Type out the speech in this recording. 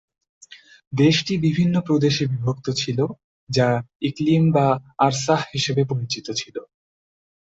দেশটি বিভিন্ন প্রদেশে বিভক্ত ছিল, যা ইকলিম বা আরসাহ হিসেবে পরিচিত ছিল।